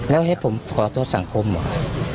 แล้วให้ผมขอโทษสังคมเหรอ